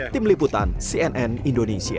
tim liputan cnn indonesia